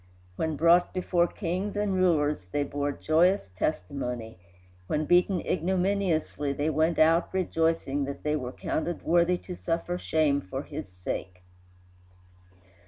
When brought before kings and rulers they bore joyous testimony; when beaten ignominiously they went out rejoicing that they were counted worthy to suffer shame for his sake.